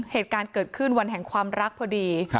เหตุการณ์เกิดขึ้นวันแห่งความรักพอดี